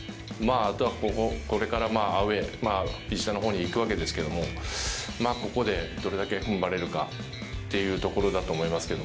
あとは、これからアウェービジターの方へ行くわけですけどここでどれだけ踏ん張れるかというところだと思いますね。